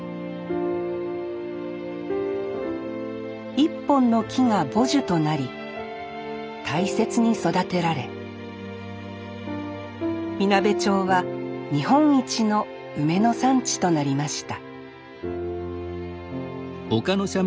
一本の木が母樹となり大切に育てられみなべ町は日本一の梅の産地となりました